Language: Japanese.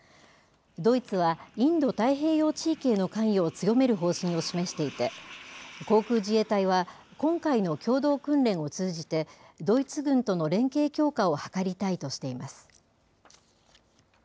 ドイツは、インド太平洋地域への関与を強める方針を示していて、航空自衛隊は、今回の共同訓練を通じて、ドイツ軍との連携強化を図りたいとしています。